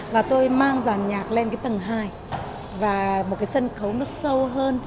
và tôi mang giàn nhạc lên cái tầng hai và một cái sân khấu nó sâu hơn